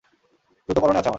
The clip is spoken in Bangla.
জুতো পরনে আছে আমার।